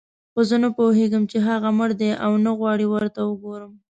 خو زه پوهېږم چې هغه مړ دی او نه غواړم ورته وګورم.